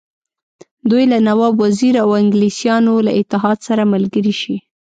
دوی له نواب وزیر او انګلیسیانو له اتحاد سره ملګري شي.